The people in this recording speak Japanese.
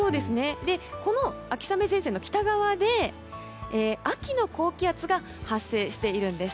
この秋雨前線の北側で秋の高気圧が発生しています。